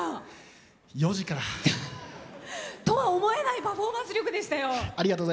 ４時から。とは思えないパフォーマンス力でしたよ。